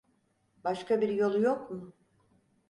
Başka bir yolu yok mu?